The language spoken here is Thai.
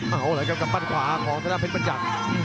เอ้าแล้วกับปั้นขวาของท่านท่านเพชรบรรยัตน์